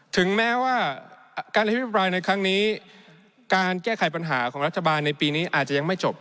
ถึงแม้ว่าการอภิปรายในครั้งนี้การแก้ไขปัญหาของรัฐบาลในปีนี้อาจจะยังไม่จบ